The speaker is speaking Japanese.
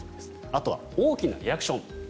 あとは大きなリアクション。